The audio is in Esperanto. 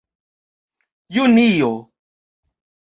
junio